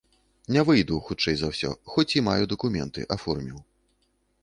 Не выйду, хутчэй за ўсё, хоць і маю дакументы, аформіў.